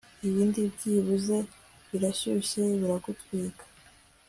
Ibindi byibuze birashyushye biragutwika